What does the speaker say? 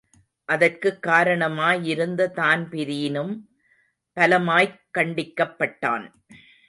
அதற்குக் காரணமாயிருந்த தான்பிரீனும் பலமாய்க் கண்டிக்கப்பட்டான்.